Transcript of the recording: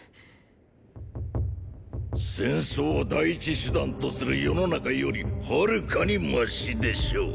戦争を第一手段とする世の中よりはるかにマシでしょう。！